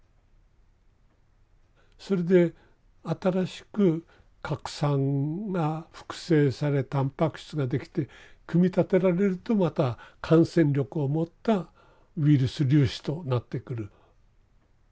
それで新しく核酸が複製されたんぱく質ができて組み立てられるとまた感染力を持ったウイルス粒子となってくる。